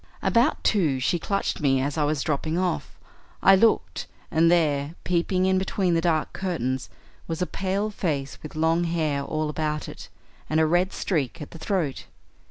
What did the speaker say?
About two she clutched me as I was dropping off. I looked, and there, peeping in between the dark curtains, was a pale face with long hair all about it, and a red streak at the throat.